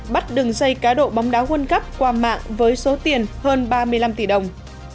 bắt đường xây cá độ bóng đá quân cấp qua mạng với số tiền hơn ba mươi năm tỷ đồng